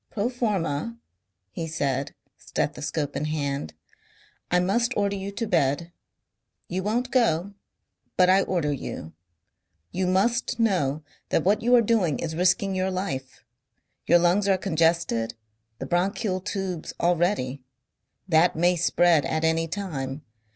"Pro forma," he said, stethoscope in hand, "I must order you to bed. You won't go. But I order you. You must know that what you are doing is risking your life. Your lungs are congested, the bronchial tubes already. That may spread at any time.